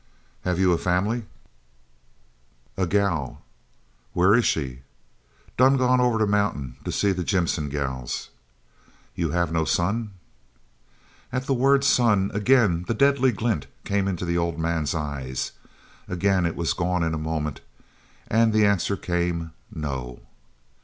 "Have you a family?" "A gal." "Where is she?" "Done gone over the mountin to see the Jimson gals." "You have no son?" At the word "son," again that deadly glint came in the old man's eye. Again it was gone in a moment, and the answer came, "No."